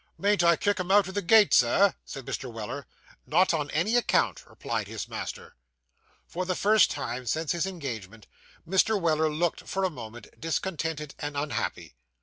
'Mayn't I kick him out o' the gate, Sir?' said Mr. Weller. 'Not on any account,' replied his master. For the first time since his engagement, Mr. Weller looked, for a moment, discontented and unhappy.